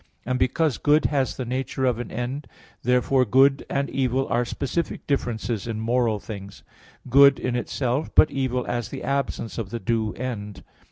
And because good has the nature of an end, therefore good and evil are specific differences in moral things; good in itself, but evil as the absence of the due end.